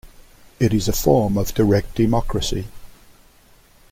It is a form of direct democracy.